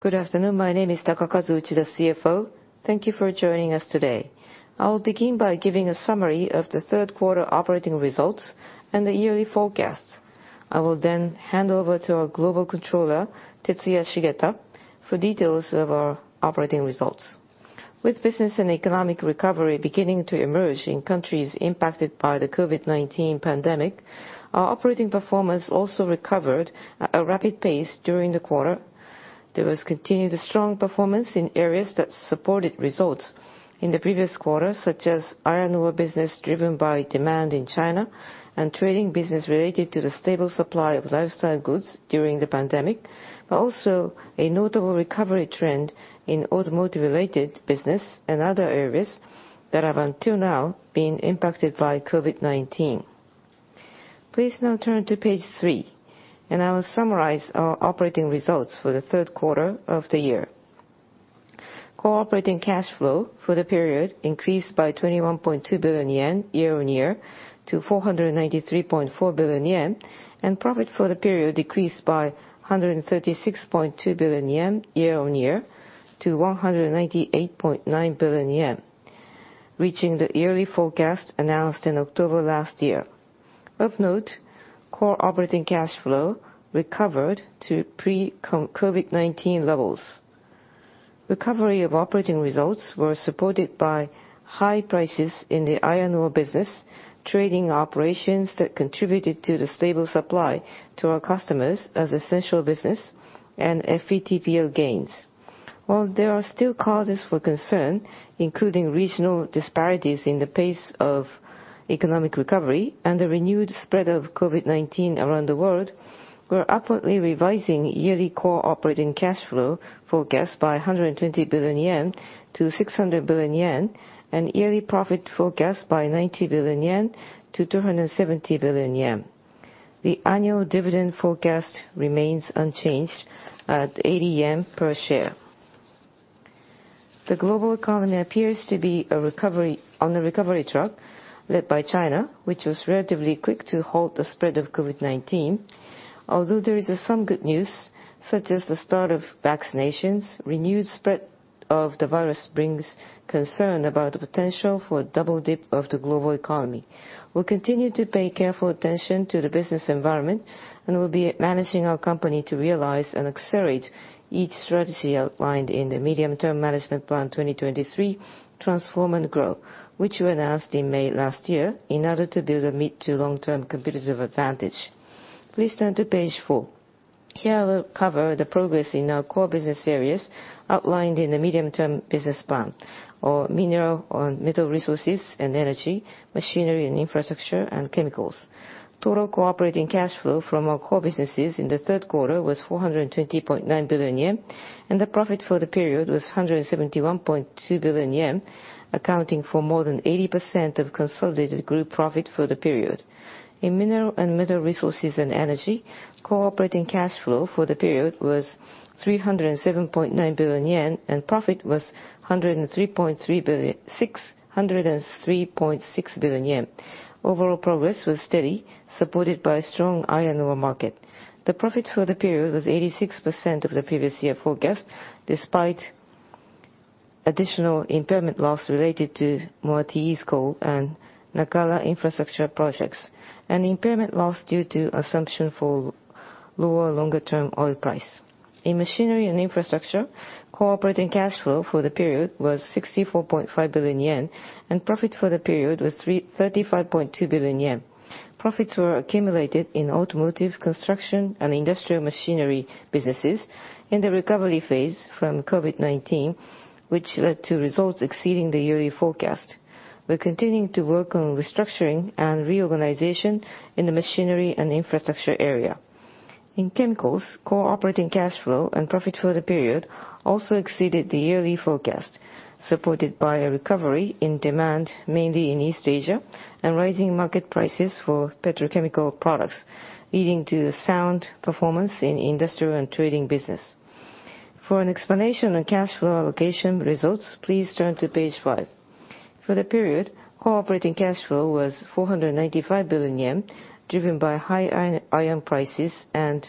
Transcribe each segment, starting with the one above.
Good afternoon. My name is Takakazu Uchida, CFO. Thank you for joining us today. I will begin by giving a summary of the third quarter operating results and the yearly forecasts. I will then hand over to our Global Controller, Tetsuya Shigeta, for details of our operating results. With business and economic recovery beginning to emerge in countries impacted by the COVID-19 pandemic, our operating performance also recovered at a rapid pace during the quarter. There was continued strong performance in areas that supported results in the previous quarter, such as iron ore business driven by demand in China and trading business related to the stable supply of lifestyle goods during the pandemic. Also, a notable recovery trend in automotive-related business and other areas that have until now been impacted by COVID-19. Please now turn to page three. I will summarize our operating results for the third quarter of the year. Core Operating Cash Flow for the period increased by 21.2 billion yen year-on-year to 493.4 billion yen, and profit for the period decreased by 136.2 billion yen year-on-year to 198.9 billion yen, reaching the yearly forecast announced in October last year. Of note, Core Operating Cash Flow recovered to pre-COVID-19 levels. Recovery of operating results were supported by high prices in the iron ore business, trading operations that contributed to the stable supply to our customers as essential business, and FVTPL gains. While there are still causes for concern, including regional disparities in the pace of economic recovery and the renewed spread of COVID-19 around the world, we're upwardly revising yearly Core Operating Cash Flow forecast by 120 billion yen to 600 billion yen, and yearly profit forecast by 90 billion yen to 270 billion yen. The annual dividend forecast remains unchanged at 80 yen per share. The global economy appears to be on a recovery track led by China, which was relatively quick to halt the spread of COVID-19. Although there is some good news, such as the start of vaccinations, renewed spread of the virus brings concern about the potential for a double dip of the global economy. We'll continue to pay careful attention to the business environment, and we'll be managing our company to realize and accelerate each strategy outlined in the Medium-term Management Plan 2023, Transform and Grow, which we announced in May last year, in order to build a mid- to long-term competitive advantage. Please turn to page four. Here, I will cover the progress in our core business areas outlined in the Medium-term Management Plan of mineral and metal resources and energy, machinery and infrastructure, and chemicals. Total Core Operating Cash Flow from our core businesses in the third quarter was 420.9 billion yen, and the profit for the period was 171.2 billion yen, accounting for more than 80% of consolidated group profit for the period. In mineral and metal resources and energy, Core Operating Cash Flow for the period was 307.9 billion yen, and profit was 103.6 billion. Overall progress was steady, supported by strong iron ore market. The profit for the period was 86% of the previous year forecast, despite additional impairment loss related to Moatize Coal and Nacala Infrastructure projects, and impairment loss due to assumption for lower, longer-term oil price. In machinery and infrastructure, core operating cash flow for the period was 64.5 billion yen, and profit for the period was 35.2 billion yen. Profits were accumulated in automotive, construction, and industrial machinery businesses in the recovery phase from COVID-19, which led to results exceeding the yearly forecast. We're continuing to work on restructuring and reorganization in the machinery and infrastructure area. In chemicals, core operating cash flow and profit for the period also exceeded the yearly forecast, supported by a recovery in demand, mainly in East Asia, and rising market prices for petrochemical products, leading to a sound performance in industrial and trading business. For an explanation on cash flow allocation results, please turn to page five. For the period, Core Operating Cash Flow was 495 billion yen, driven by high iron prices and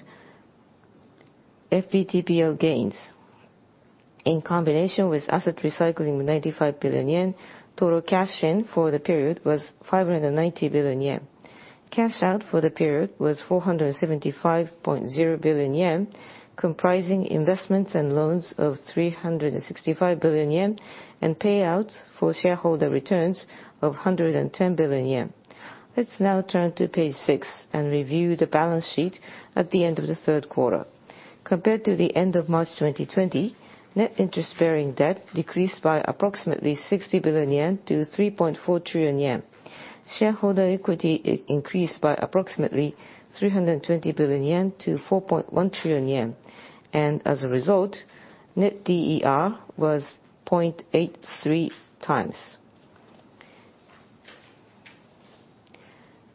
FVTPL gains. In combination with asset recycling of 95 billion yen, total cash in for the period was 590 billion yen. Cash out for the period was 475.0 billion yen, comprising investments and loans of 365 billion yen and payouts for shareholder returns of 110 billion yen. Let's now turn to page six and review the balance sheet at the end of the third quarter. Compared to the end of March 2020, net interest-bearing debt decreased by approximately 60 billion yen to 3.4 trillion yen. Shareholder equity increased by approximately 320 billion yen to 4.1 trillion yen. As a result, net DER was 0.83x.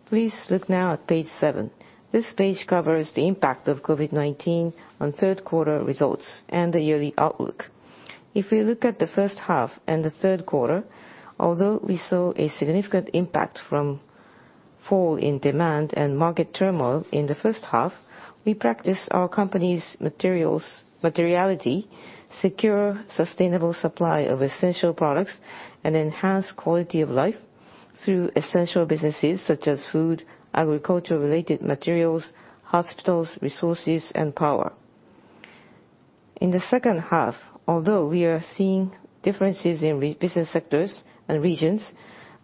Please look now at page seven. This page covers the impact of COVID-19 on third quarter results and the yearly outlook. If we look at the first half and the third quarter, although we saw a significant impact from fall in demand and market turmoil in the first half, we practiced our company's materiality, secure sustainable supply of essential products, and enhance quality of life through essential businesses such as food, agriculture-related materials, hospitals, resources, and power. In the second half, although we are seeing differences in business sectors and regions,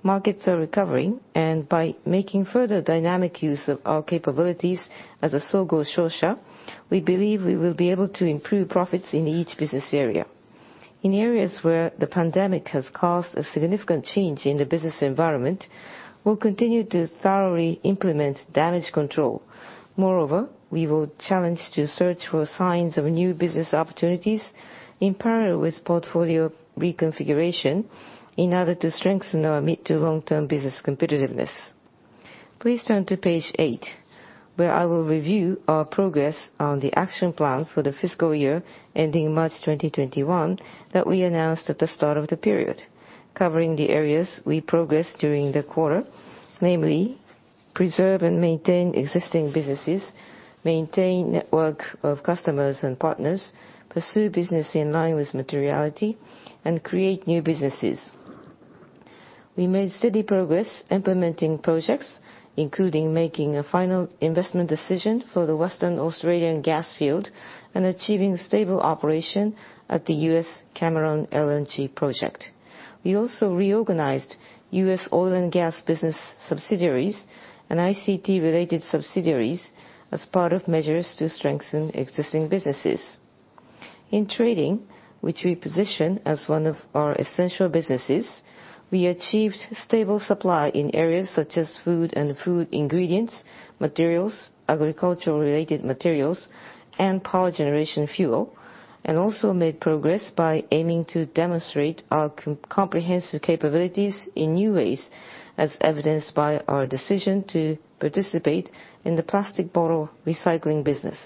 markets are recovering, by making further dynamic use of our capabilities as a Sogo Shosha, we believe we will be able to improve profits in each business area. In areas where the pandemic has caused a significant change in the business environment, we'll continue to thoroughly implement damage control. Moreover, we will challenge to search for signs of new business opportunities in parallel with portfolio reconfiguration in order to strengthen our mid to long-term business competitiveness. Please turn to page eight, where I will review our progress on the action plan for the fiscal year ending March 2021 that we announced at the start of the period. Covering the areas we progressed during the quarter, namely preserve and maintain existing businesses, maintain network of customers and partners, pursue business in line with Materiality, and create new businesses. We made steady progress implementing projects, including making a final investment decision for the Western Australian gas field and achieving stable operation at the U.S. Cameron LNG project. We also reorganized U.S. oil and gas business subsidiaries and ICT-related subsidiaries as part of measures to strengthen existing businesses. In trading, which we position as one of our essential businesses, we achieved stable supply in areas such as food and food ingredients, materials, agricultural-related materials, and power generation fuel, and also made progress by aiming to demonstrate our comprehensive capabilities in new ways, as evidenced by our decision to participate in the plastic bottle recycling business.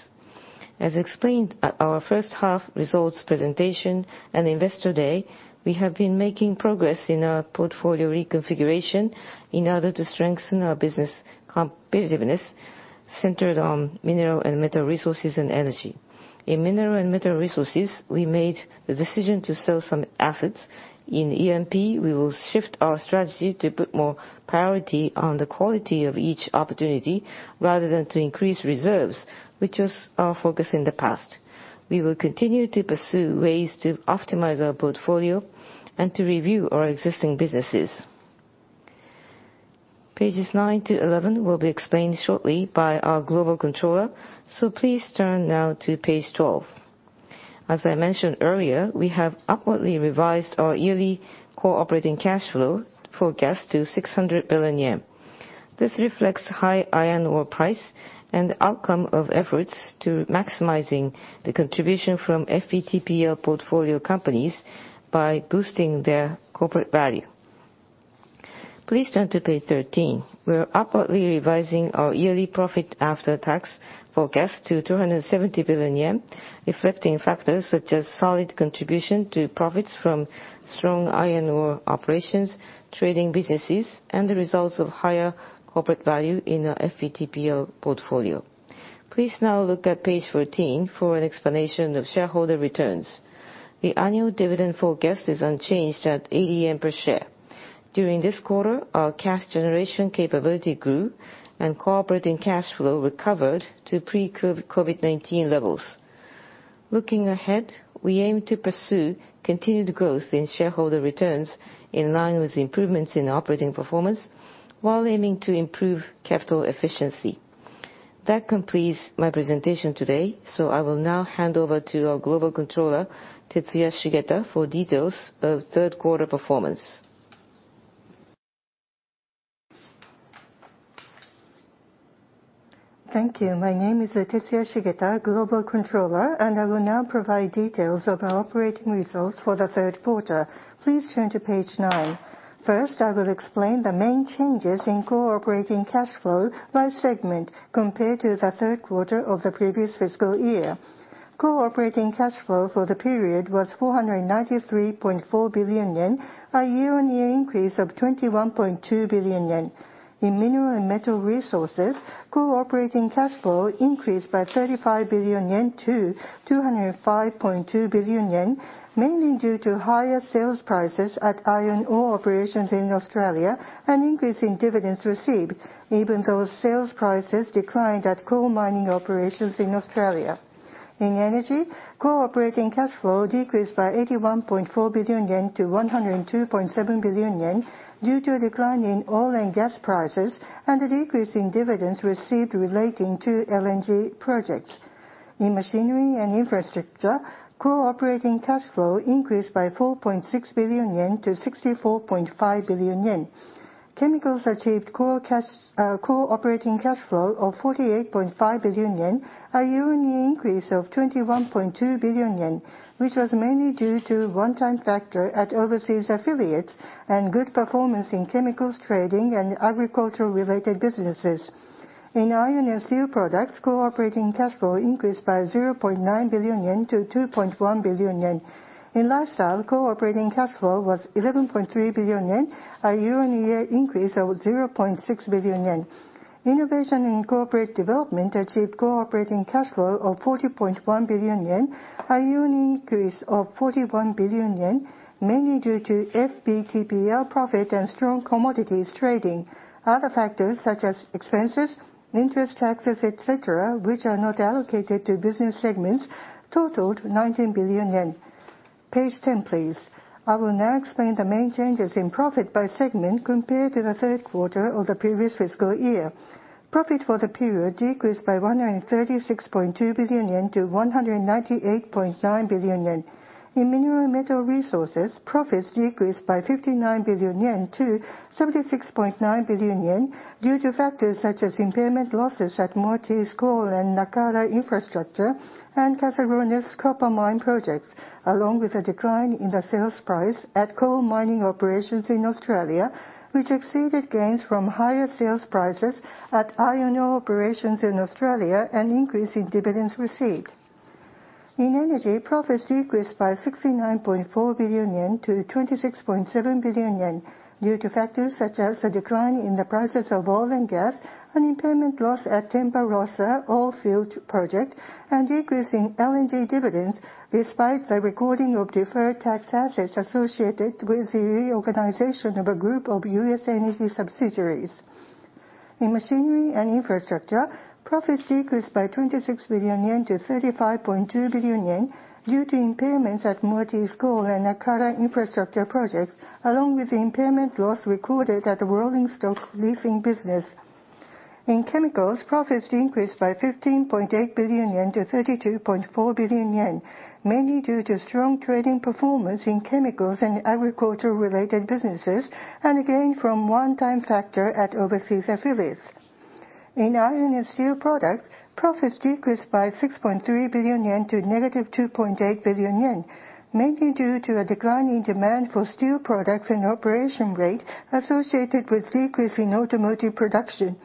As explained at our first half results presentation and investor day, we have been making progress in our portfolio reconfiguration in order to strengthen our business competitiveness centered on mineral and metal resources and energy. In mineral and metal resources, we made the decision to sell some assets. In E&P, we will shift our strategy to put more priority on the quality of each opportunity rather than to increase reserves, which was our focus in the past. We will continue to pursue ways to optimize our portfolio and to review our existing businesses. Pages nine to 11 will be explained shortly by our Global Controller. Please turn now to page 12. As I mentioned earlier, we have upwardly revised our yearly Core Operating Cash Flow forecast to 600 billion yen. This reflects high iron ore price and the outcome of efforts to maximizing the contribution from FVTPL portfolio companies by boosting their corporate value. Please turn to page 13. We are upwardly revising our yearly profit after tax forecast to 270 billion yen, reflecting factors such as solid contribution to profits from strong iron ore operations, trading businesses, and the results of higher corporate value in our FVTPL portfolio. Please now look at page 14 for an explanation of shareholder returns. The annual dividend forecast is unchanged at 80 yen per share. During this quarter, our cash generation capability grew, and Core Operating Cash Flow recovered to pre-COVID-19 levels. Looking ahead, we aim to pursue continued growth in shareholder returns in line with improvements in operating performance while aiming to improve capital efficiency. That completes my presentation today. I will now hand over to our Global Controller, Tetsuya Shigeta, for details of third quarter performance. Thank you. My name is Tetsuya Shigeta, Global Controller, and I will now provide details of our operating results for the third quarter. Please turn to page nine. First, I will explain the main changes in Core Operating Cash Flow by segment compared to the third quarter of the previous fiscal year. Core Operating Cash Flow for the period was 493.4 billion yen, a year-on-year increase of 21.2 billion yen. In mineral and metal resources, Core Operating Cash Flow increased by 35 billion yen to 205.2 billion yen, mainly due to higher sales prices at iron ore operations in Australia and increase in dividends received, even though sales prices declined at coal mining operations in Australia. In energy, Core Operating Cash Flow decreased by 81.4 billion yen to 102.7 billion yen due to a decline in oil and gas prices and a decrease in dividends received relating to LNG projects. In machinery and infrastructure, Core Operating Cash Flow increased by 4.6 billion-64.5 billion yen. Chemicals achieved Core Operating Cash Flow of 48.5 billion yen, a year-on-year increase of 21.2 billion yen, which was mainly due to a one-time factor at overseas affiliates and good performance in chemicals trading and agricultural related businesses. In iron and steel products, Core Operating Cash Flow increased by 0.9 billion yen -2.1 billion yen. In Lifestyle, Core Operating Cash Flow was 11.3 billion yen, a year-on-year increase of 0.6 billion yen. Innovation and corporate development achieved Core Operating Cash Flow of 40.1 billion yen, a year-on-year increase of 41 billion yen, mainly due to FVTPL profit and strong commodities trading. Other factors such as expenses, interest, taxes, et cetera, which are not allocated to business segments, totaled 19 billion yen. Page 10, please. I will now explain the main changes in profit by segment compared to the third quarter of the previous fiscal year. Profit for the period decreased by 136.2 billion yen to 198.9 billion yen. In mineral and metal resources, profits decreased by 59 billion yen to 76.9 billion yen due to factors such as impairment losses at Moatize coal and Nacala infrastructure and Caserones copper mine projects, along with a decline in the sales price at coal mining operations in Australia, which exceeded gains from higher sales prices at iron ore operations in Australia and increase in dividends received. In energy, profits decreased by 69.4 billion-26.7 billion yen due to factors such as a decline in the prices of oil and gas, an impairment loss at Tempa Rossa Oil Field Project, and decrease in LNG dividends, despite the recording of deferred tax assets associated with the reorganization of a group of US energy subsidiaries. In machinery and infrastructure, profits decreased by 26 billion-35.2 billion yen due to impairments at Moatize coal and Nacala infrastructure projects, along with the impairment loss recorded at the rolling stock leasing business. In chemicals, profits decreased by 15.8 billion-32.4 billion yen, mainly due to strong trading performance in chemicals and agricultural-related businesses, and again from a one-time factor at overseas affiliates. In iron and steel products, profits decreased by 6.3 billion yen to -2.8 billion yen, mainly due to a decline in demand for steel products and operation rate associated with decrease in automotive production.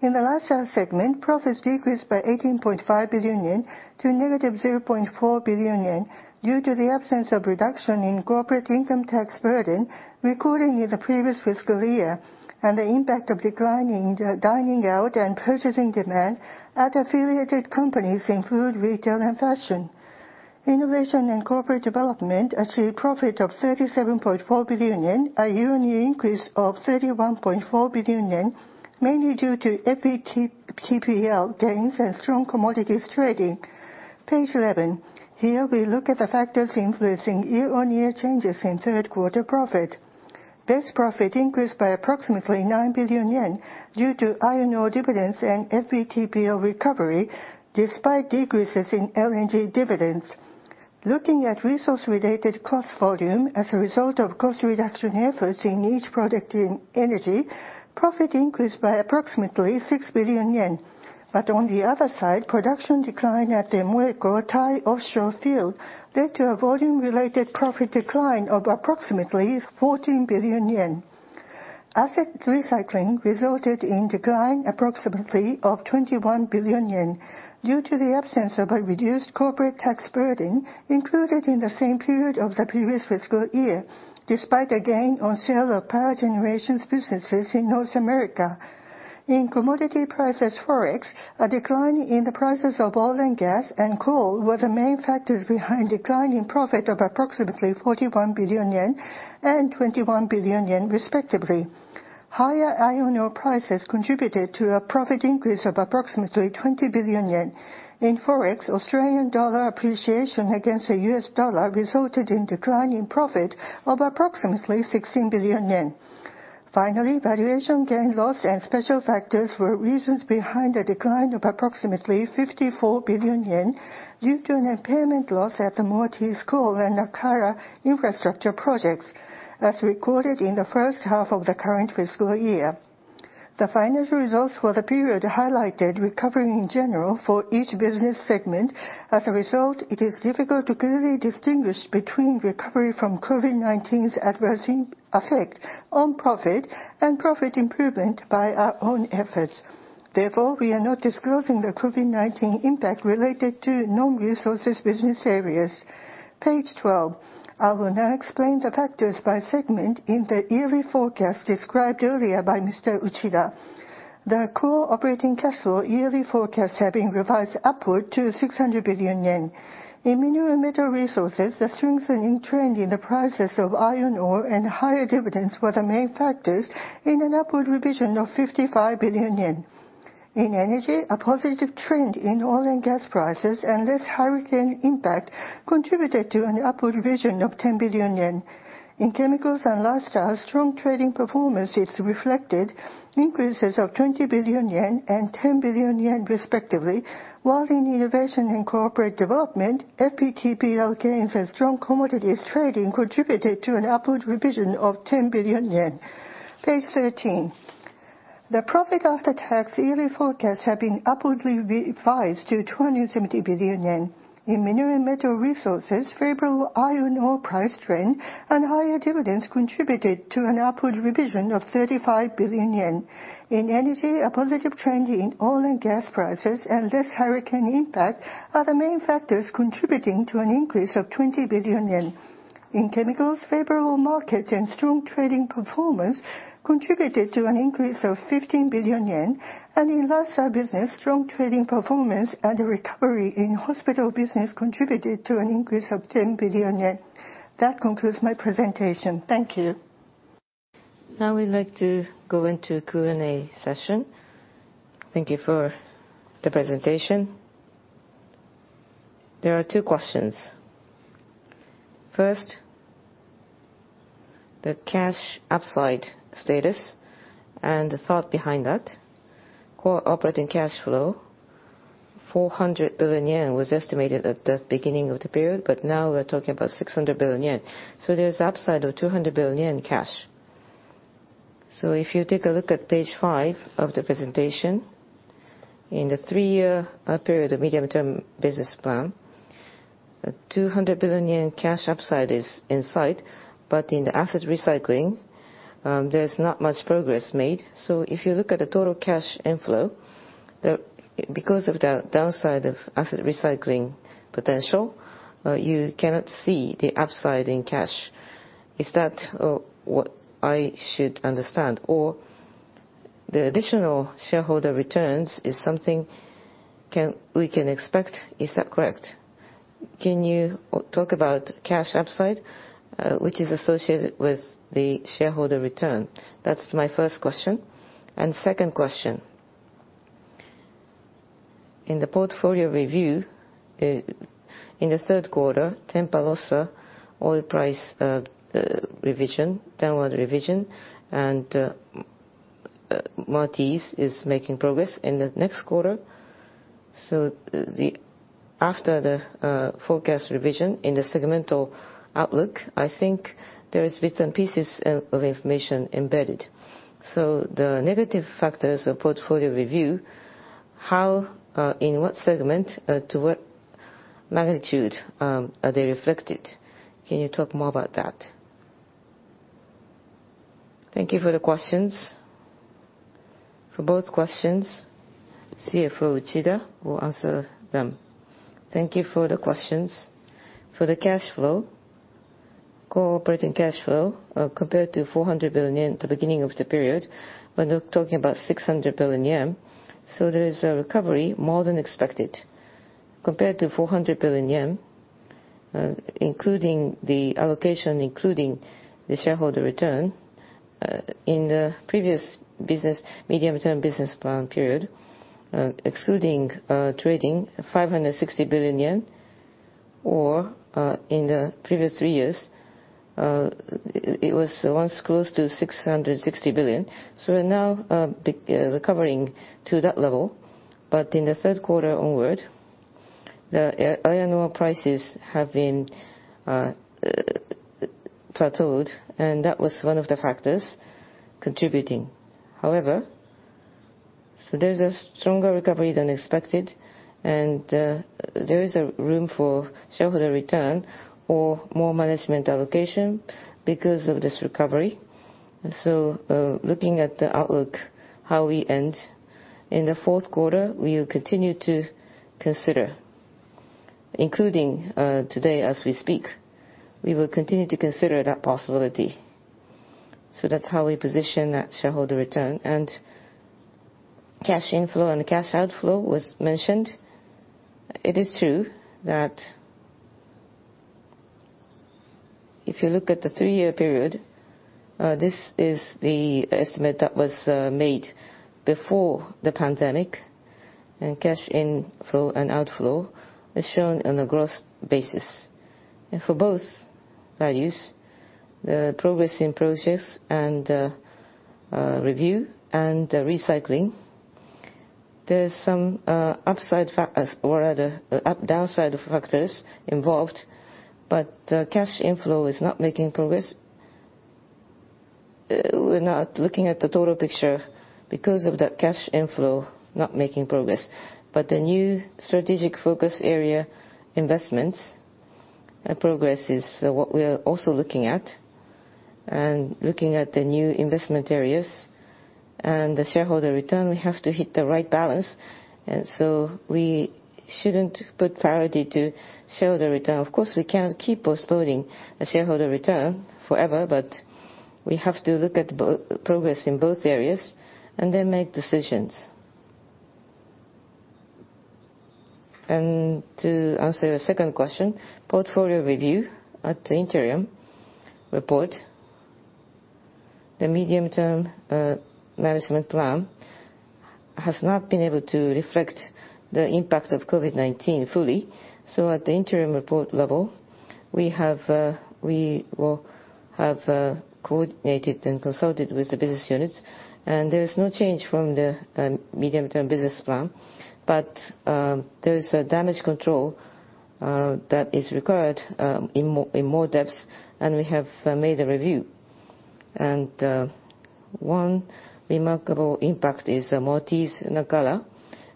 In the Lifestyle segment, profits decreased by 18.5 billion yen to -0.4 billion yen due to the absence of reduction in corporate income tax burden recorded in the previous fiscal year and the impact of declining dining out and purchasing demand at affiliated companies in food, retail, and fashion. Innovation and corporate development achieved profit of 37.4 billion yen, a year-on-year increase of 31.4 billion yen, mainly due to FVTPL gains and strong commodities trading. Page 11. Here we look at the factors influencing year-on-year changes in third quarter profit. Net profit increased by approximately 9 billion yen due to iron ore dividends and FVTPL recovery despite decreases in LNG dividends. Looking at resource-related cost volume as a result of cost reduction efforts in each product in energy, profit increased by approximately 6 billion yen. On the other side, production decline at the MOECO/Thai offshore field led to a volume-related profit decline of approximately 14 billion yen. Asset recycling resulted in decline approximately of 21 billion yen due to the absence of a reduced corporate tax burden included in the same period of the previous fiscal year, despite a gain on sale of power generations businesses in North America. In commodity prices Forex, a decline in the prices of oil and gas and coal were the main factors behind decline in profit of approximately 41 billion yen and 21 billion yen respectively. Higher iron ore prices contributed to a profit increase of approximately 20 billion yen. In Forex, Australian dollar appreciation against the U.S. dollar resulted in decline in profit of approximately 16 billion yen. Valuation gain loss and special factors were reasons behind the decline of approximately 54 billion yen due to an impairment loss at the Moatize coal and Nacala infrastructure projects as recorded in the first half of the current fiscal year. The financial results for the period highlighted recovery in general for each business segment. It is difficult to clearly distinguish between recovery from COVID-19's adverse effect on profit and profit improvement by our own efforts. We are not disclosing the COVID-19 impact related to non-resources business areas. Page 12. I will now explain the factors by segment in the yearly forecast described earlier by Mr. Uchida. The Core Operating Cash Flow yearly forecast have been revised upward to 600 billion yen. In mineral and metal resources, the strengthening trend in the prices of iron ore and higher dividends were the main factors in an upward revision of 55 billion yen. In energy, a positive trend in oil and gas prices and less hurricane impact contributed to an upward revision of 10 billion yen. In chemicals and lifestyle, strong trading performance is reflected, increases of 20 billion yen and 10 billion yen respectively, while in innovation and corporate development, FVTPL gains and strong commodities trading contributed to an upward revision of 10 billion yen. Page 13. The profit after tax yearly forecast have been upwardly revised to 270 billion yen. In Mineral & Metal Resources, favorable iron ore price trend and higher dividends contributed to an upward revision of 35 billion yen. In energy, a positive trend in oil and gas prices and less hurricane impact are the main factors contributing to an increase of 20 billion yen. In chemicals, favorable market and strong trading performance contributed to an increase of 15 billion yen. In Lifestyle business, strong trading performance and a recovery in hospital business contributed to an increase of 10 billion yen. That concludes my presentation. Thank you. We'd like to go into Q&A session. Thank you for the presentation. There are two questions. First, the cash upside status and the thought behind that. Core Operating Cash Flow, 400 billion yen was estimated at the beginning of the period, but we're talking about 600 billion yen. There's upside of 200 billion yen cash. If you take a look at page five of the presentation, in the three-year period of medium-term business plan, the 200 billion yen cash upside is in sight, in the asset recycling, there's not much progress made. If you look at the total cash inflow, because of the downside of asset recycling potential, you cannot see the upside in cash. Is that what I should understand? The additional shareholder returns is something we can expect, is that correct? Can you talk about cash upside, which is associated with the shareholder return? That's my first question. Second question. In the portfolio review, in the third quarter, Tempa Rossa oil price revision, downward revision, and Moatize is making progress in the next quarter. After the forecast revision in the segmental outlook, I think there is bits and pieces of information embedded. The negative factors of portfolio review, in what segment, to what magnitude are they reflected? Can you talk more about that? Thank you for the questions. For both questions, CFO Uchida will answer them. Thank you for the questions. For the cash flow, Core Operating Cash Flow, compared to 400 billion yen at the beginning of the period, we're now talking about 600 billion yen. There is a recovery more than expected. Compared to 400 billion yen, including the allocation, including the shareholder return, in the previous Medium-term Business Plan period, excluding trading, 560 billion yen, or in the previous three years, it was once close to 660 billion. We're now recovering to that level. In the third quarter onward, the iron ore prices have been plateaued, and that was one of the factors contributing. However, there's a stronger recovery than expected, and there is a room for shareholder return or more management allocation because of this recovery. Looking at the outlook, how we end in the fourth quarter, we will continue to consider, including today as we speak, we will continue to consider that possibility. That's how we position that shareholder return. Cash inflow and cash outflow was mentioned. It is true that if you look at the three-year period, this is the estimate that was made before the pandemic, and cash inflow and outflow is shown on a gross basis. For both values, the progress in projects and review and recycling, there's some downside factors involved, but cash inflow is not making progress. We're not looking at the total picture because of that cash inflow not making progress. The new strategic focus area investments progress is what we are also looking at. Looking at the new investment areas and the shareholder return, we have to hit the right balance. We shouldn't put priority to shareholder return. Of course, we can't keep postponing a shareholder return forever, but we have to look at progress in both areas and then make decisions. To answer your second question, portfolio review at the interim report, the Medium-term Management Plan has not been able to reflect the impact of COVID-19 fully. At the interim report level, we will have coordinated and consulted with the business units. There is no change from the Medium-term Business Plan. There is a damage control that is required in more depth, and we have made a review. One remarkable impact is Moatize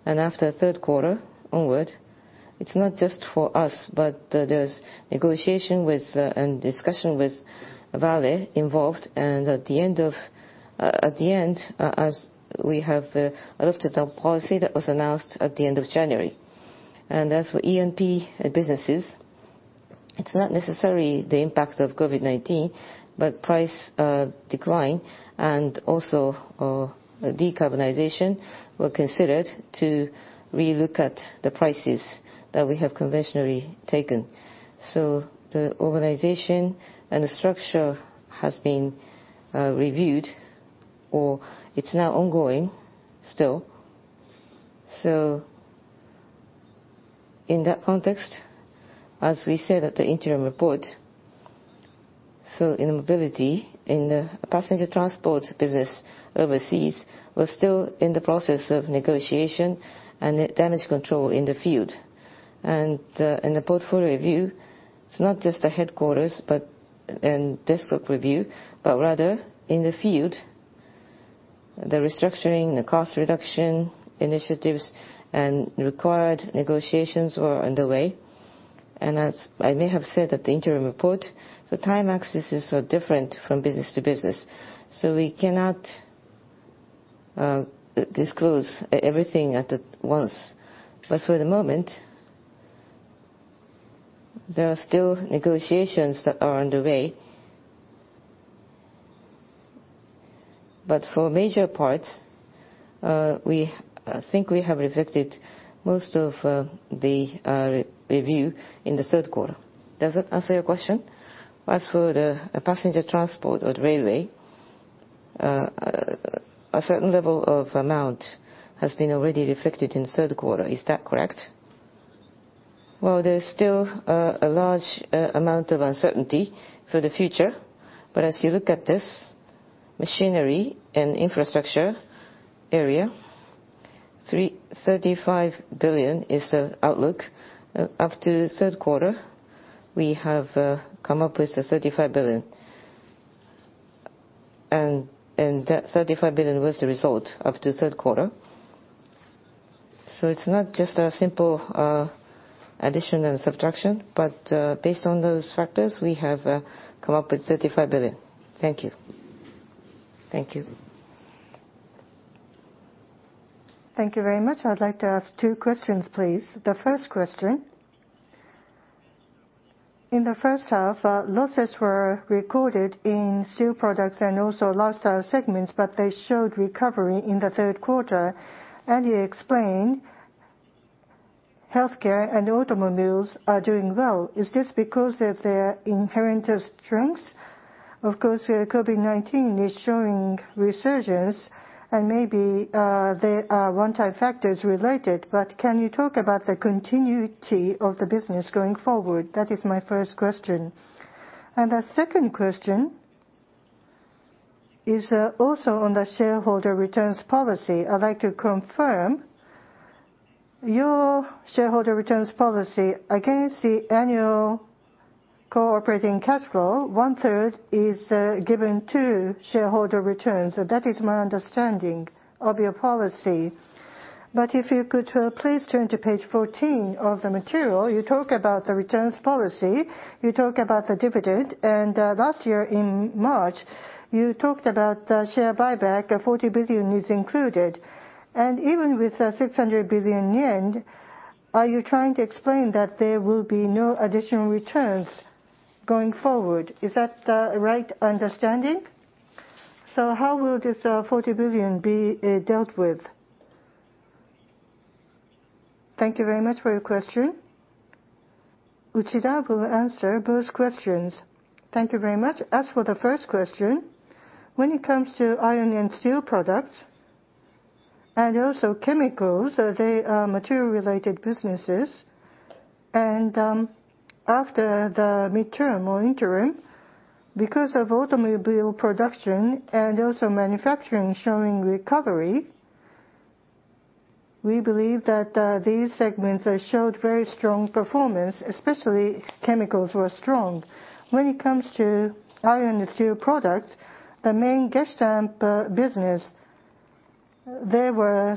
and Nacala. After third quarter onward, it's not just for us, but there's negotiation with and discussion with Vale involved. At the end, as we have looked at our policy that was announced at the end of January. As for E&P businesses, it's not necessarily the impact of COVID-19, but price decline and also decarbonization were considered to re-look at the prices that we have conventionally taken. The organization and the structure has been reviewed, or it's now ongoing still. In that context, as we said at the interim report, in mobility, in the passenger transport business overseas, we're still in the process of negotiation and damage control in the field. In the portfolio review, it's not just the headquarters and desktop review, but rather in the field, the restructuring, the cost reduction initiatives, and required negotiations are underway. As I may have said at the interim report, the time axes are different from business to business, so we cannot disclose everything at once. For the moment, there are still negotiations that are underway. For major parts, we think we have reflected most of the review in the third quarter. Does that answer your question? As for the passenger transport or railway, a certain level of amount has been already reflected in the third quarter. Is that correct? Well, there's still a large amount of uncertainty for the future. As you look at this machinery and infrastructure area, 35 billion is the outlook. After the third quarter, we have come up with the 35 billion. That 35 billion was the result after the third quarter. It's not just a simple addition and subtraction, but based on those factors, we have come up with 35 billion. Thank you. Thank you. Thank you very much. I'd like to ask two questions, please. The first question, in the first half, losses were recorded in steel products and also lifestyle segments, but they showed recovery in the third quarter. You explained healthcare and automobiles are doing well. Is this because of their inherent strengths? Of course, COVID-19 is showing resurgence, and maybe there are one-time factors related, but can you talk about the continuity of the business going forward? That is my first question. The second question is also on the shareholder returns policy. I'd like to confirm your shareholder returns policy against the annual Core Operating Cash Flow. One-third is given to shareholder returns. That is my understanding of your policy. If you could please turn to page 14 of the material, you talk about the returns policy, you talk about the dividend. Last year in March, you talked about the share buyback, 40 billion is included. Even with the 600 billion yen, are you trying to explain that there will be no additional returns going forward? Is that the right understanding? How will this 40 billion be dealt with? Thank you very much for your question. Uchida will answer both questions. Thank you very much. As for the first question, when it comes to iron and steel products, also chemicals, they are material-related businesses. After the midterm or interim, because of automobile production also manufacturing showing recovery, we believe that these segments have showed very strong performance, especially chemicals were strong. When it comes to iron and steel products, the Gestamp business, there were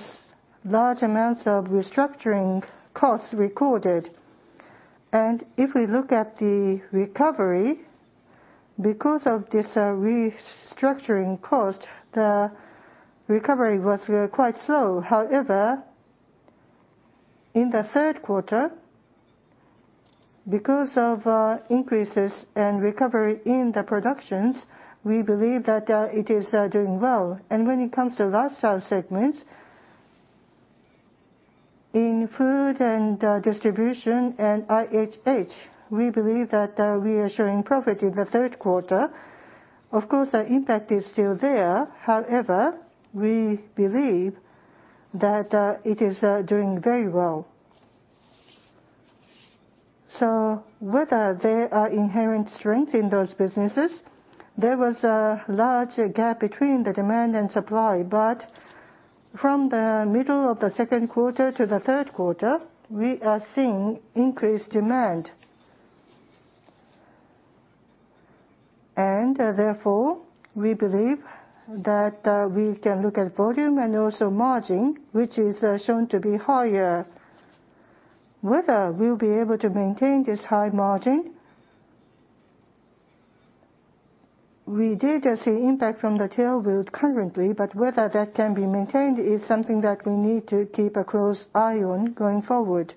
large amounts of restructuring costs recorded. If we look at the recovery, because of this restructuring cost, the recovery was quite slow. However, in the third quarter, because of increases and recovery in the productions, we believe that it is doing well. When it comes to lifestyle segments, in food and distribution and IHH, we believe that we are showing profit in the third quarter. Of course, the impact is still there. However, we believe that it is doing very well. Whether there are inherent strengths in those businesses, there was a large gap between the demand and supply. From the middle of the second quarter to the third quarter, we are seeing increased demand. Therefore, we believe that we can look at volume and also margin, which is shown to be higher. Whether we'll be able to maintain this high margin, we did see impact from the tailwind currently, but whether that can be maintained is something that we need to keep a close eye on going forward.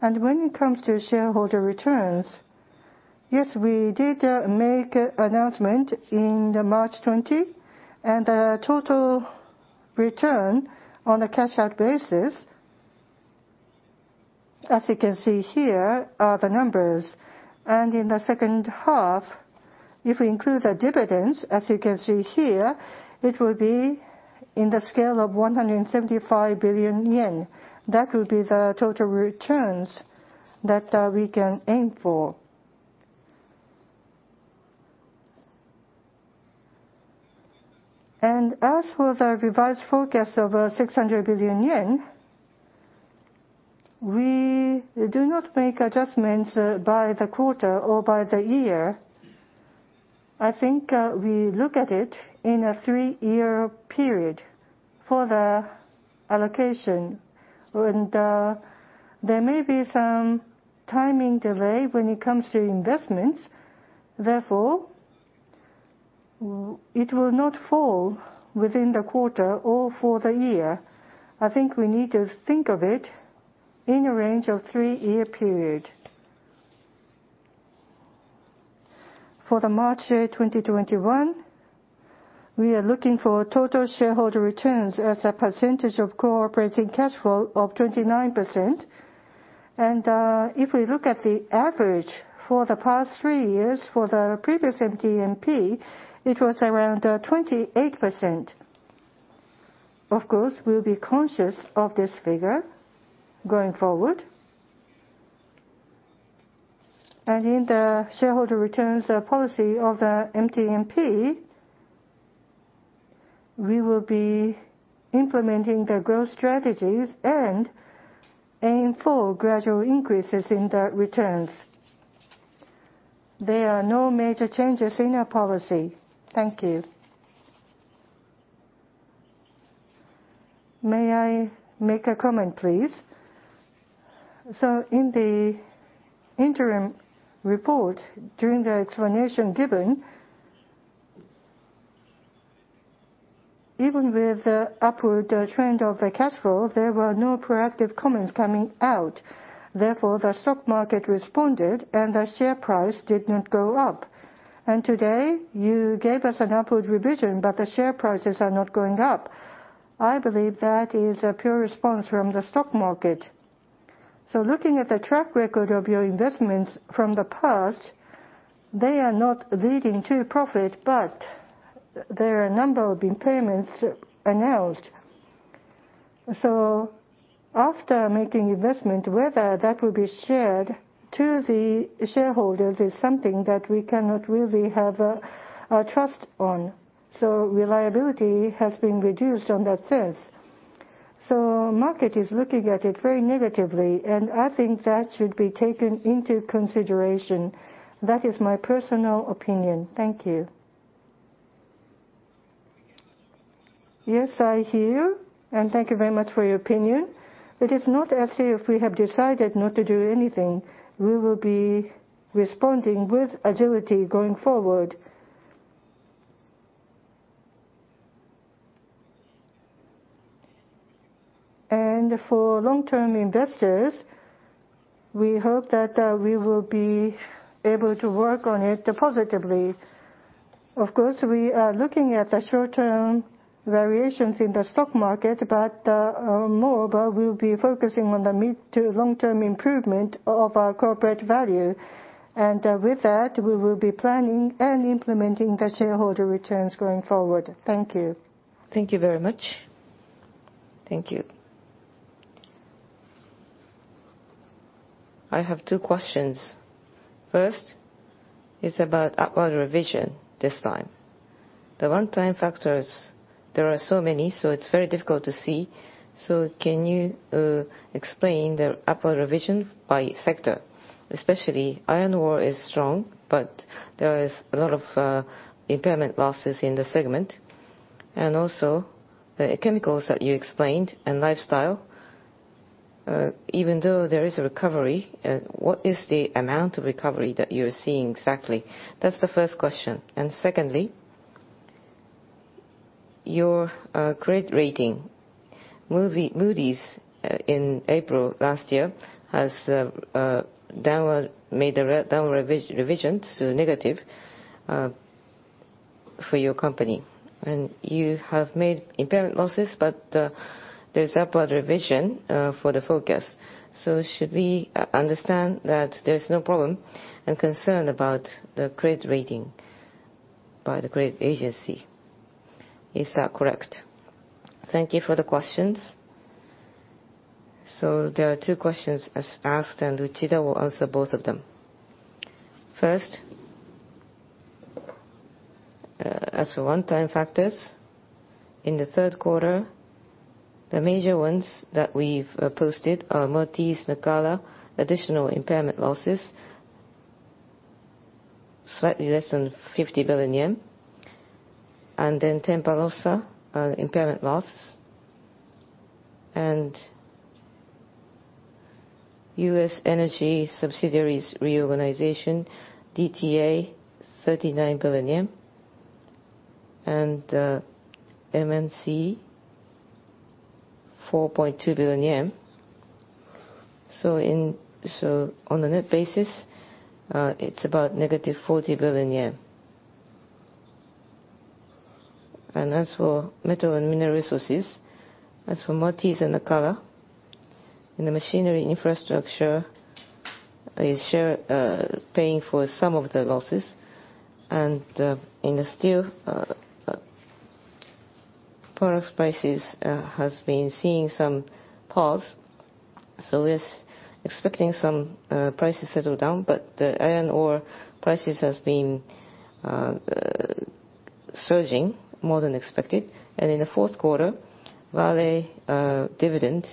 When it comes to shareholder returns, yes, we did make announcement in the March 20. The total return on the cash out basis, as you can see here, are the numbers. In the second half, if we include the dividends, as you can see here, it will be in the scale of 175 billion yen. That will be the total returns that we can aim for. As for the revised forecast of 600 billion yen, we do not make adjustments by the quarter or by the year. I think we look at it in a three-year period for the allocation. There may be some timing delay when it comes to investments, therefore, it will not fall within the quarter or for the year. I think we need to think of it in a range of three-year period. For the March year 2021, we are looking for total shareholder returns as a percentage of Core Operating Cash Flow of 29%. If we look at the average for the past three years for the previous MTMP, it was around 28%. Of course, we'll be conscious of this figure going forward. In the shareholder returns policy of the MTMP, we will be implementing the growth strategies and aim for gradual increases in the returns. There are no major changes in our policy. Thank you. May I make a comment, please? In the interim report, during the explanation given, even with the upward trend of the cash flow, there were no proactive comments coming out. Therefore, the stock market responded, and the share price did not go up. Today you gave us an upward revision, but the share prices are not going up. I believe that is a pure response from the stock market. Looking at the track record of your investments from the past, they are not leading to profit, but there are a number of impairments announced. After making investment, whether that will be shared to the shareholders is something that we cannot really have trust on. Reliability has been reduced on that sense. Market is looking at it very negatively, and I think that should be taken into consideration. That is my personal opinion. Thank you. Yes, I hear you, and thank you very much for your opinion. It is not as if we have decided not to do anything. We will be responding with agility going forward. For long-term investors, we hope that we will be able to work on it positively. Of course, we are looking at the short-term variations in the stock market, but more we'll be focusing on the mid to long-term improvement of our corporate value. With that, we will be planning and implementing the shareholder returns going forward. Thank you. Thank you very much. I have two questions. First is about upward revision this time. The one-time factors, there are so many, it's very difficult to see. Can you explain the upward revision by sector? Especially iron ore is strong, but there is a lot of impairment losses in this segment. The chemicals that you explained and lifestyle, even though there is a recovery, what is the amount of recovery that you're seeing exactly? That's the first question. Secondly, your credit rating. Moody's in April last year, has made a downward revision to negative for your company. You have made impairment losses, but there's upward revision for the forecast. Should we understand that there's no problem and concern about the credit rating by the credit agency? Is that correct? Thank you for the questions. There are two questions asked, and Uchida will answer both of them. First, as for one-time factors in the third quarter, the major ones that we've posted are Moatize and Nacala, additional impairment losses, slightly less than 50 billion yen. Tempa Rossa, impairment loss, and U.S. Energy subsidiaries reorganization, DTA JPY 39 billion, and MNC 4.2 billion yen. On a net basis, it's about -40 billion yen. As for metal and mineral resources, as for Moatize and Nacala, in the machinery infrastructure, is paying for some of the losses, and in the steel, products prices has been seeing some pause. Is expecting some prices settle down, but the iron ore prices has been surging more than expected. In the fourth quarter, Vale dividend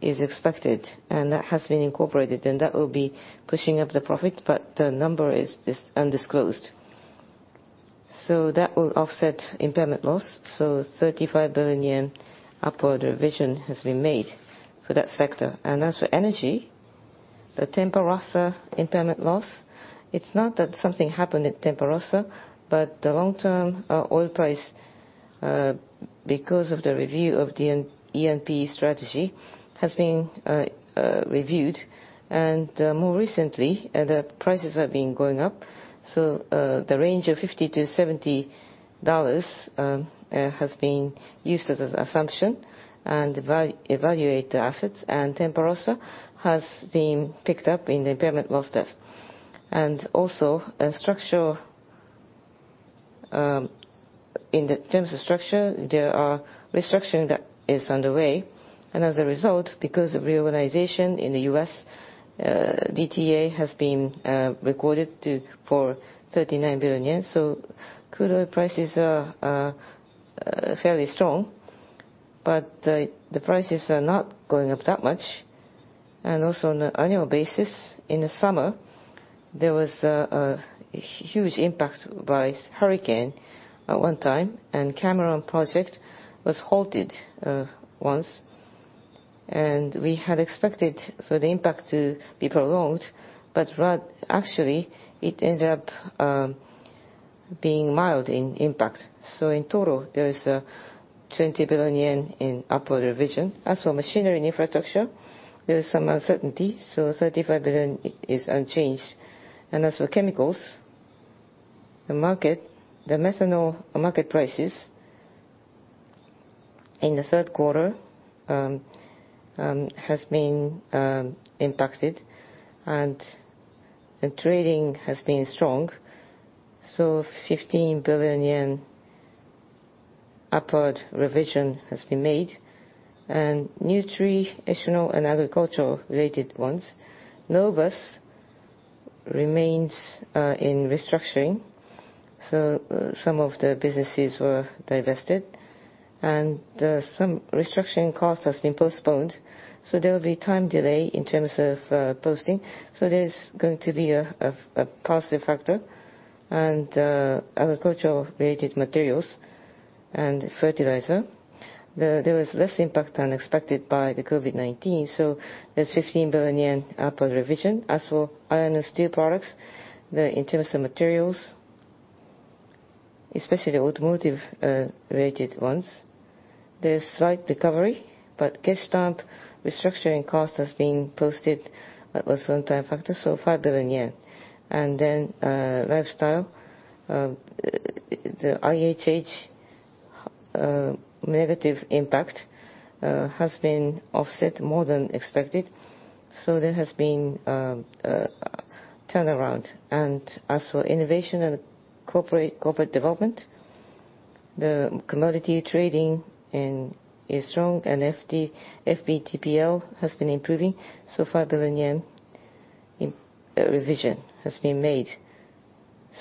is expected, and that has been incorporated, and that will be pushing up the profit, but the number is undisclosed. That will offset impairment loss. 35 billion yen upward revision has been made for that sector. As for energy, the Tempa Rossa impairment loss, it's not that something happened at Tempa Rossa, but the long-term oil price, because of the review of the E&P strategy, has been reviewed. More recently, the prices have been going up. The range of $50-$70 has been used as an assumption and evaluate the assets, and Tempa Rossa has been picked up in the impairment loss test. Also, in terms of structure, there are restructuring that is underway. As a result, because of reorganization in the U.S., DTA has been recorded for 39 billion yen. Crude oil prices are fairly strong, but the prices are not going up that much. On an annual basis, in the summer, there was a huge impact by hurricane at one time, and Cameron project was halted once. We had expected for the impact to be prolonged, but actually, it ended up being mild in impact. In total, there is 20 billion yen in upward revision. As for machinery and infrastructure, there is some uncertainty, so 35 billion is unchanged. As for chemicals, the methanol market prices in the third quarter has been impacted, and the trading has been strong. 15 billion yen upward revision has been made. Nutritional and agriculture-related ones, Novus remains in restructuring, so some of the businesses were divested. Some restructuring cost has been postponed. There will be time delay in terms of posting, so there's going to be a positive factor. Agriculture-related materials and fertilizer, there was less impact than expected by the COVID-19, so there's 15 billion yen upward revision. As for iron and steel products, in terms of materials, especially automotive-related ones, there's slight recovery, but Gestamp restructuring cost has been posted as one-time factor, JPY 5 billion. Lifestyle, the IHH negative impact has been offset more than expected. There has been a turnaround. As for innovation and corporate development, the commodity trading is strong, and FVTPL has been improving, 5 billion yen revision has been made.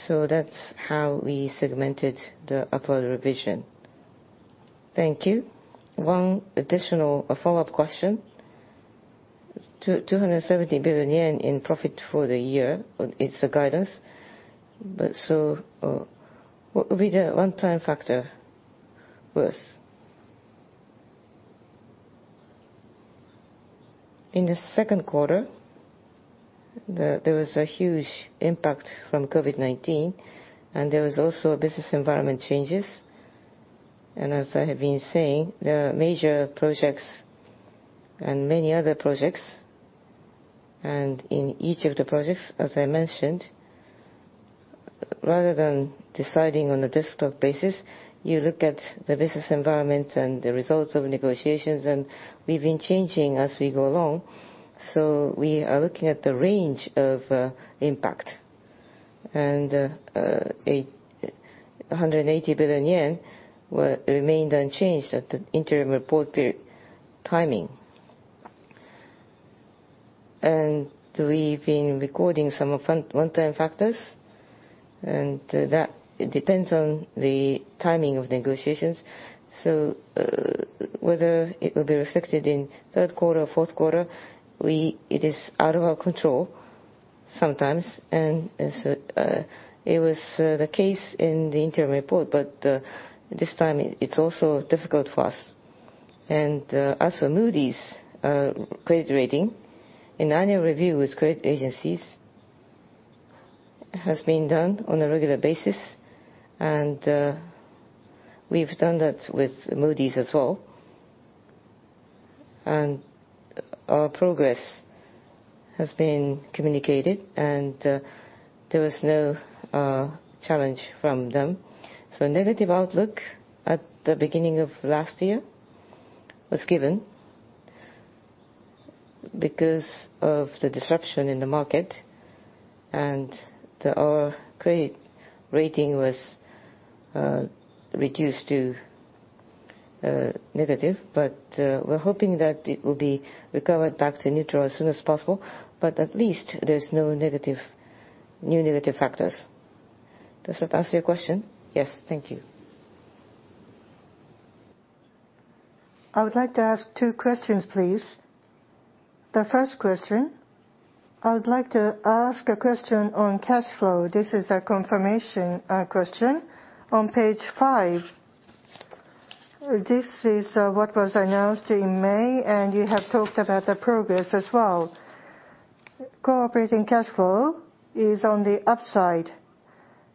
That's how we segmented the upward revision. Thank you. One additional follow-up question. 270 billion yen in profit for the year is the guidance. What will be the one-time factor worse? In the second quarter, there was a huge impact from COVID-19, and there was also business environment changes. As I have been saying, the major projects and many other projects, and in each of the projects, as I mentioned, rather than deciding on a desktop basis, you look at the business environment and the results of negotiations, and we've been changing as we go along. We are looking at the range of impact. 180 billion yen remained unchanged at the interim report period timing. We've been recording some one-time factors, and that depends on the timing of negotiations. Whether it will be reflected in third quarter or fourth quarter, it is out of our control sometimes. It was the case in the interim report, but this time it's also difficult for us. As for Moody's credit rating, an annual review with credit agencies has been done on a regular basis, and we've done that with Moody's as well. Our progress has been communicated, and there was no challenge from them. Negative outlook at the beginning of last year was given because of the disruption in the market, and our credit rating was reduced to negative. We're hoping that it will be recovered back to neutral as soon as possible. At least there's no new negative factors. Does that answer your question? Yes. Thank you. I would like to ask two questions, please. The first question, I would like to ask a question on cash flow. This is a confirmation question. On page five, this is what was announced in May. You have talked about the progress as well. Core Operating Cash Flow is on the upside.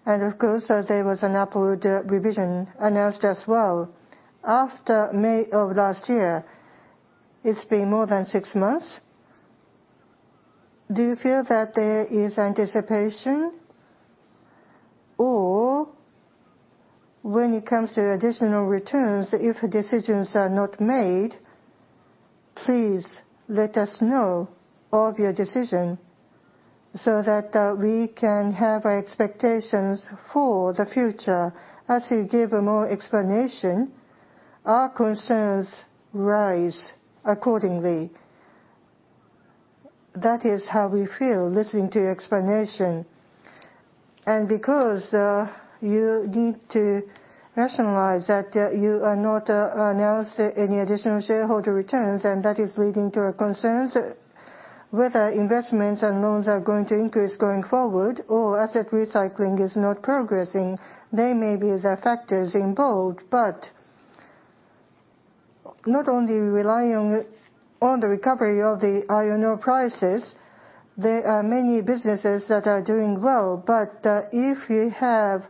Of course, there was an upward revision announced as well. After May of last year, it's been more than six months. Do you feel that there is anticipation? When it comes to additional returns, if decisions are not made, please let us know of your decision so that we can have expectations for the future. As you give more explanation, our concerns rise accordingly. That is how we feel listening to your explanation. Because you need to rationalize that you are not announced any additional shareholder returns, and that is leading to our concerns whether investments and loans are going to increase going forward or asset recycling is not progressing. They may be the factors involved, but not only relying on the recovery of the iron ore prices. There are many businesses that are doing well. If you have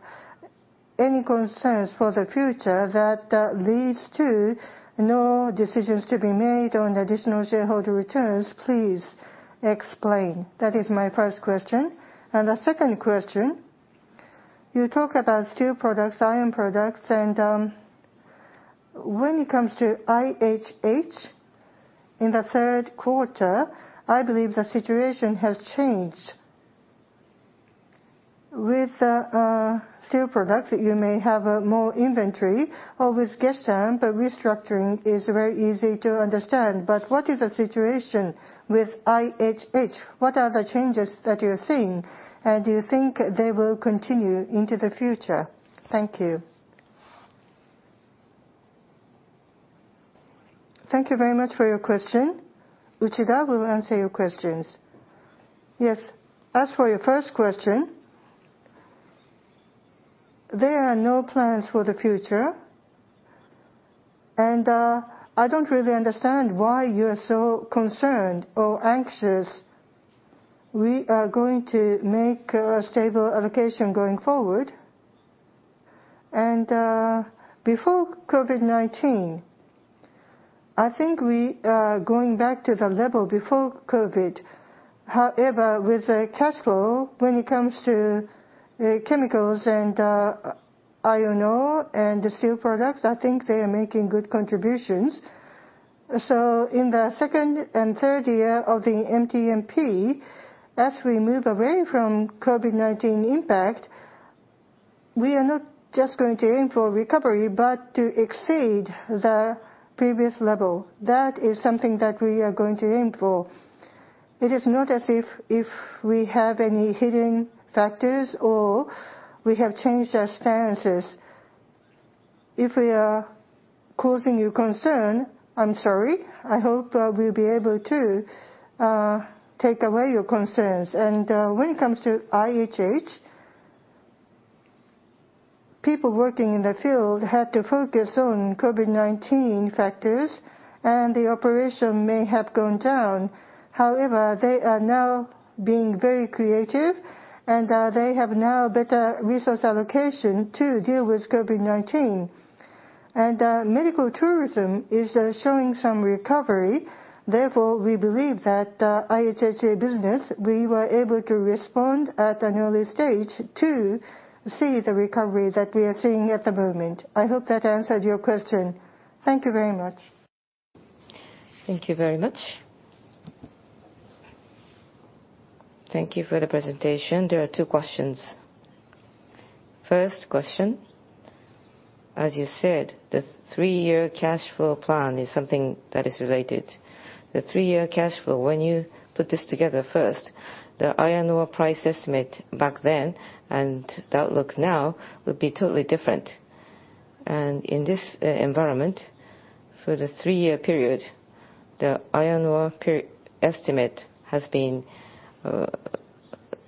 any concerns for the future that leads to no decisions to be made on additional shareholder returns, please explain. That is my first question. The second question, you talk about steel products, iron products, and when it comes to IHH, in the third quarter, I believe the situation has changed. With steel products, you may have more inventory. Obviously, Gestamp restructuring is very easy to understand. What is the situation with IHH? What are the changes that you're seeing, and do you think they will continue into the future? Thank you. Thank you very much for your question. Uchida will answer your questions. Yes. As for your first question, there are no plans for the future, and I don't really understand why you are so concerned or anxious. We are going to make a stable allocation going forward. Before COVID-19, I think we are going back to the level before COVID-19. However, with cash flow, when it comes to chemicals and iron ore and steel products, I think they are making good contributions. In the second and third year of the MTMP, as we move away from COVID-19 impact, we are not just going to aim for recovery, but to exceed the previous level. That is something that we are going to aim for. It is not as if we have any hidden factors or we have changed our stances. If we are causing you concern, I'm sorry. I hope we'll be able to take away your concerns. When it comes to IHH, people working in the field had to focus on COVID-19 factors. The operation may have gone down. However, they are now being very creative, and they have now better resource allocation to deal with COVID-19. Medical tourism is showing some recovery. Therefore, we believe that IHH business, we were able to respond at an early stage to see the recovery that we are seeing at the moment. I hope that answered your question. Thank you very much. Thank you very much. Thank you for the presentation. There are two questions. First question, as you said, the three-year cash flow plan is something that is related. The three-year cash flow, when you put this together first, the iron ore price estimate back then and the outlook now would be totally different. In this environment, for the three-year period, the iron ore estimate has been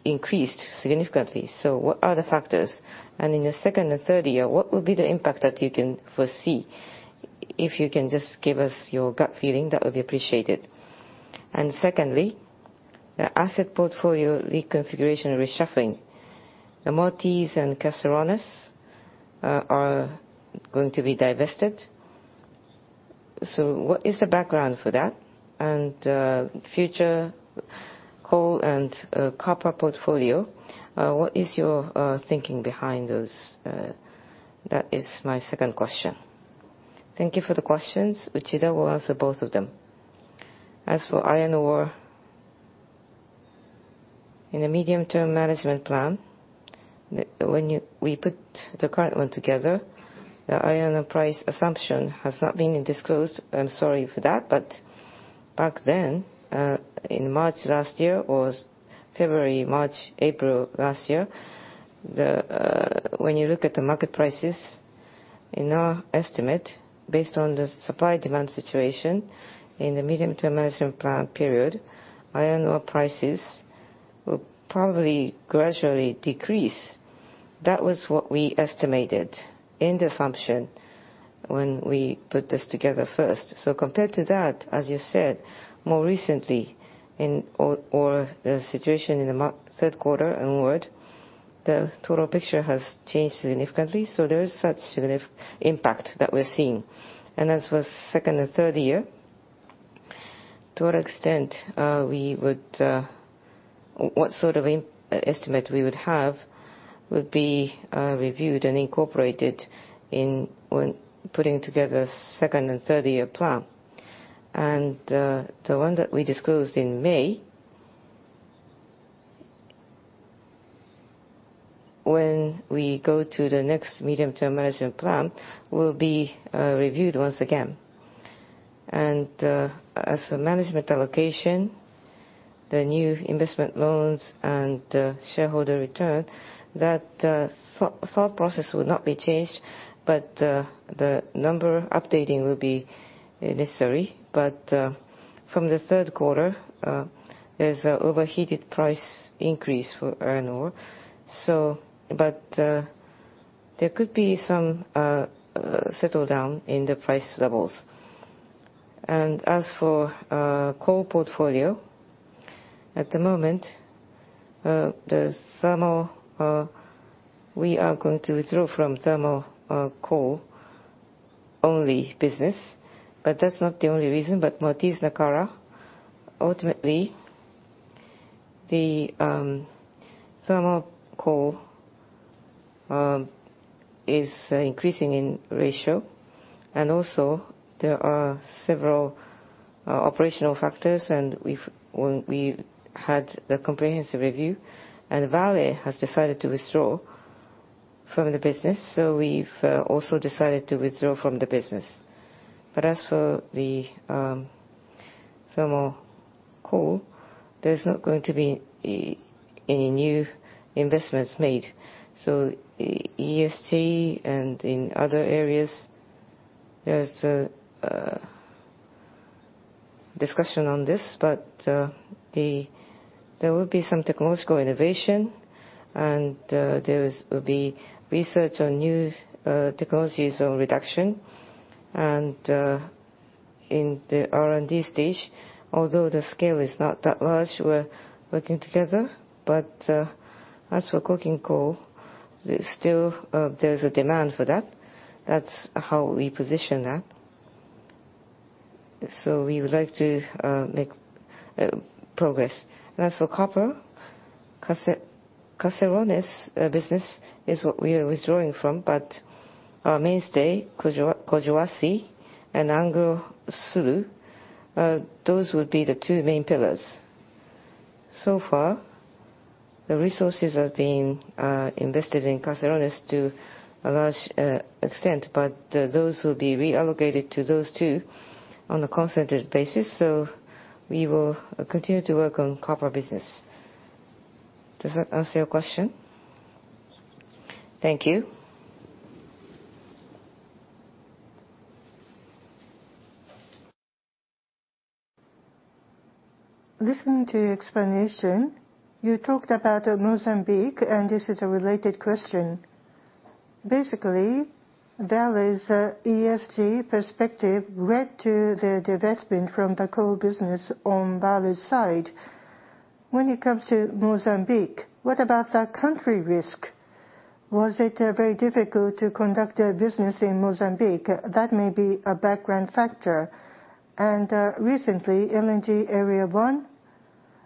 increased significantly. What are the factors? In the second and third year, what will be the impact that you can foresee? If you can just give us your gut feeling, that would be appreciated. Secondly, the asset portfolio reconfiguration reshuffling. Moatize and Caserones are going to be divested. What is the background for that? Future coal and copper portfolio, what is your thinking behind those? That is my second question. Thank you for the questions. Uchida will answer both of them. As for iron ore, in the Medium-term Management Plan, when we put the current one together, the iron ore price assumption has not been disclosed. I'm sorry for that. Back then, in March last year, or February, March, April last year, when you look at the market prices, in our estimate, based on the supply-demand situation in the Medium-term Management Plan period, iron ore prices will probably gradually decrease. That was what we estimated in the assumption when we put this together first. Compared to that, as you said, more recently, or the situation in the third quarter onward, the total picture has changed significantly. There is such significant impact that we're seeing. As for second and third year, to what extent, what sort of estimate we would have, would be reviewed and incorporated when putting together second and third-year plan. The one that we disclosed in May, when we go to the next medium-term management plan, will be reviewed once again. As for management allocation, the new investment loans and shareholder return, that thought process will not be changed, but the number updating will be necessary. From the third quarter, there's an overheated price increase for iron ore. There could be some settle down in the price levels. As for coal portfolio, at the moment, we are going to withdraw from thermal coal-only business. That's not the only reason, Moatize, Nacala, ultimately, the thermal coal is increasing in ratio. Also there are several operational factors, and we had the comprehensive review, and Vale has decided to withdraw from the business. We've also decided to withdraw from the business. As for the thermal coal, there's not going to be any new investments made. [ESG] and in other areas, there's a discussion on this, but there will be some technological innovation and there will be research on new technologies on reduction. In the R&D stage, although the scale is not that large, we're working together. As for coking coal, still there's a demand for that. That's how we position that. We would like to make progress. As for copper, Caserones business is what we are withdrawing from, but our mainstay, Collahuasi and Anglo Sur, those would be the two main pillars. The resources are being invested in Caserones to a large extent, but those will be reallocated to those two on a concentrated basis. We will continue to work on copper business. Does that answer your question? Thank you. Listening to your explanation, you talked about Mozambique. This is a related question. Basically, Vale's ESG perspective led to the divestment from the coal business on Vale's side. When it comes to Mozambique, what about the country risk? Was it very difficult to conduct business in Mozambique? That may be a background factor. Recently, LNG Area 1.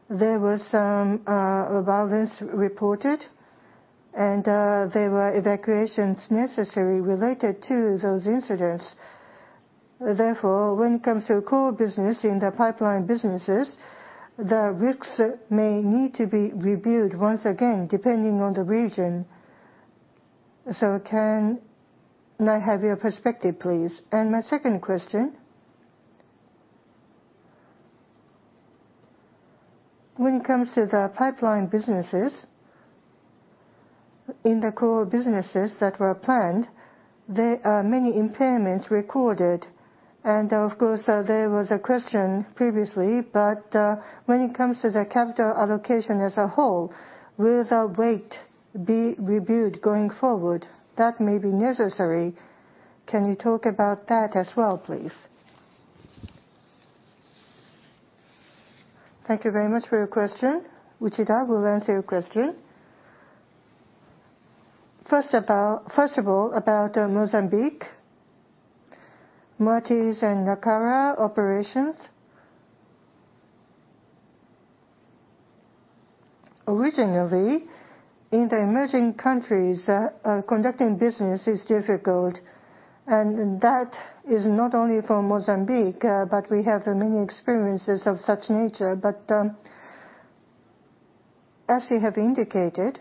There was some violence reported, and there were evacuations necessary related to those incidents. Therefore, when it comes to core business in the pipeline businesses, the risks may need to be reviewed once again, depending on the region. Can I have your perspective, please? My second question, when it comes to the pipeline businesses in the core businesses that were planned, there are many impairments recorded. Of course, there was a question previously, but when it comes to the capital allocation as a whole, will the rate be reviewed going forward? That may be necessary. Can you talk about that as well, please? Thank you very much for your question. Uchida will answer your question. First of all, about Mozambique, Moatize and Nacala operations. Originally, in the emerging countries, conducting business is difficult, and that is not only for Mozambique, but we have many experiences of such nature. As we have indicated,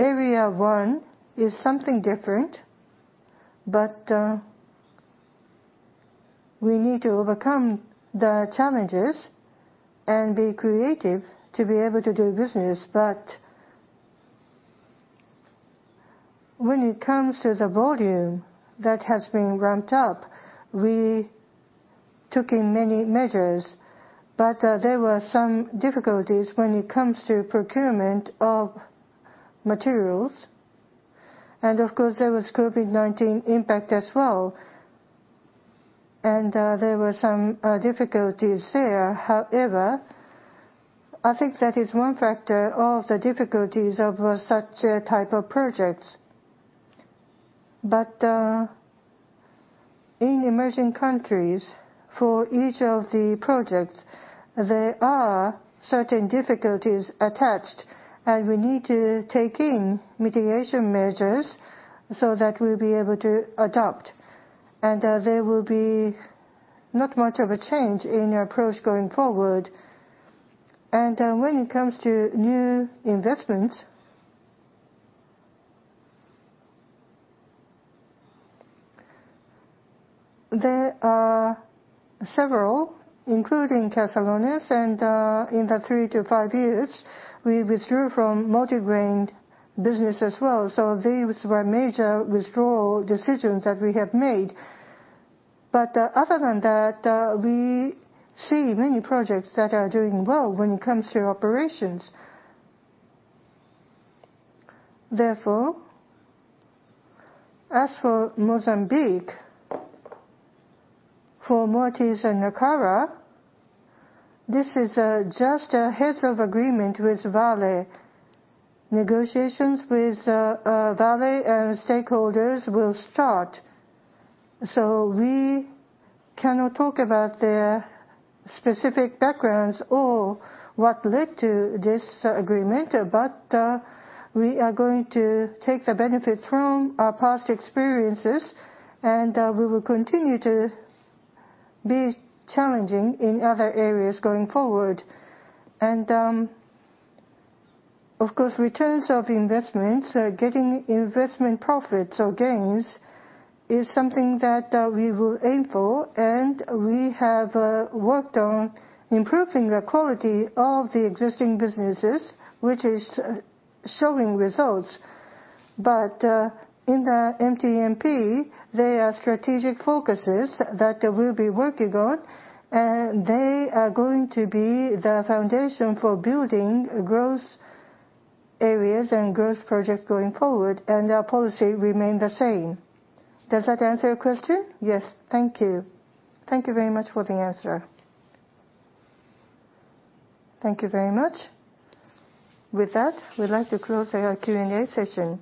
Area 1 is something different, but we need to overcome the challenges and be creative to be able to do business. When it comes to the volume that has been ramped up, we took in many measures, but there were some difficulties when it comes to procurement of materials. Of course, there was COVID-19 impact as well, and there were some difficulties there. However, I think that is one factor of the difficulties of such type of projects. In emerging countries, for each of the projects, there are certain difficulties attached, and we need to take in mitigation measures so that we'll be able to adapt. There will be not much of a change in approach going forward. When it comes to new investments, there are several, including Caserones, and in the three to five years, we withdrew from Multigrain business as well. These were major withdrawal decisions that we have made. Other than that, we see many projects that are doing well when it comes to operations. Therefore, as for Mozambique, for Moatize and Nacala, this is just a heads of agreement with Vale. Negotiations with Vale and stakeholders will start. We cannot talk about their specific backgrounds or what led to this agreement, but we are going to take the benefit from our past experiences, and we will continue to be challenging in other areas going forward. Of course, returns of investments, getting investment profits or gains, is something that we will aim for. We have worked on improving the quality of the existing businesses, which is showing results. In the MTMP, they are strategic focuses that we'll be working on, and they are going to be the foundation for building growth areas and growth projects going forward, and our policy remain the same. Does that answer your question? Yes. Thank you. Thank you very much for the answer. Thank you very much. With that, we'd like to close our Q&A session.